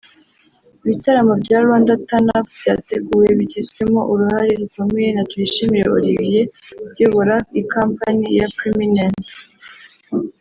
Ibitaramo bya ‘Rwanda Turn Up’ byateguwe bigizwemo uruhare rukomeye na Tuyishimire Olivier uyobora ikompanyi ya Preeminence